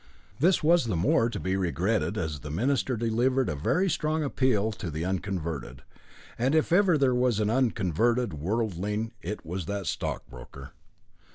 This was the more to be regretted, as the minister delivered a very strong appeal to the unconverted, and if ever there was an unconverted worldling, it was that stockbroker.